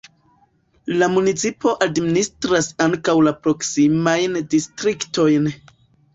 La municipo administras ankaŭ la proksimajn distriktojn.